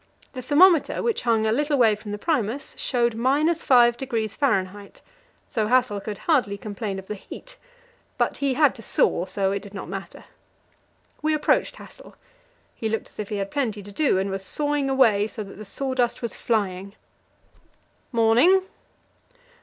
The thermometer, which hung a little way from the Primus, showed 5° F., so Hassel could hardly complain of the heat, but he had to saw, so it did not matter. We approached Hassel. He looked as if he had plenty to do, and was sawing away so that the sawdust was flying. "'Morning."